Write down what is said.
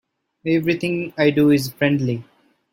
Everything I do is friendly.